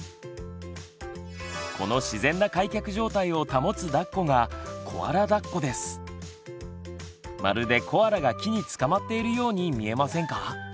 この自然な開脚状態を保つだっこがまるでコアラが木につかまっているように見えませんか？